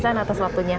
kalau bisa atas waktunya